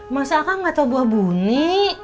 masa akang gak tau buah buni